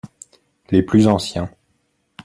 Les plus anciens.